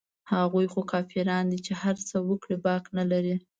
هغوى خو کافران دي چې هرڅه وکړي باک نه لري.